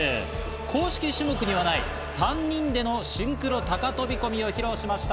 公式種目にはない３人でのシンクロ高飛び込みを披露しました。